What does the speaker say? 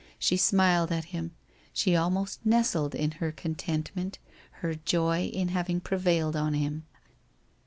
She smiled at him, she almost nestled, in her contentment, her joy in having prevailed on him.